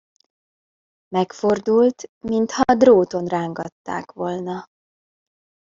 Megfordult, mintha dróton rángatták volna.